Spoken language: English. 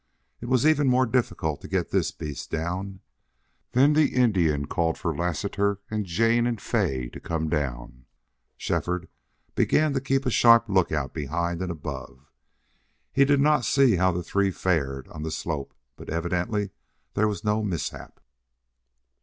It was even more difficult to get this beast down. Then the Indian called for Lassiter and Jane and Fay to come down. Shefford began to keep a sharp lookout behind and above, and did not see how the three fared on the slope, but evidently there was no mishap.